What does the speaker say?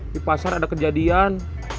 di pasar ada kejadian